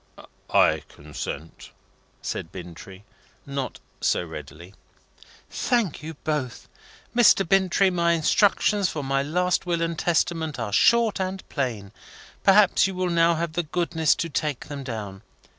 "I consent," said Bintrey, not so readily. "Thank you both. Mr. Bintrey, my instructions for my last will and testament are short and plain. Perhaps you will now have the goodness to take them down.